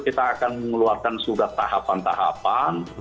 kita akan mengeluarkan sudah tahapan tahapan